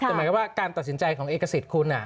แต่หมายความว่าการตัดสินใจของเอกสิทธิ์คุณ